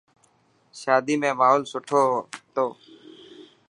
شادي ۾ ماحول سٺو هو.